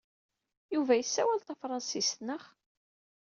Yuba yessawal tafṛensist, naɣ?